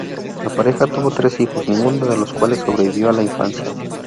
La pareja tuvo tres hijos, ninguno de los cuales sobrevivió a la infancia.